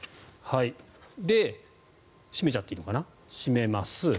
で、閉めちゃっていいのかな？閉めます。